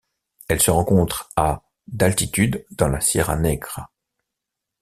Elle se rencontre à d'altitude dans la Sierra Negra.